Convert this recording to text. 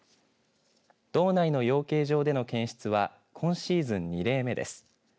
道内の養鶏場での検出は今シーズン２例目です。